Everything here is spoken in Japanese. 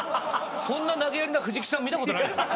こんな投げやりな藤木さん見たことないです。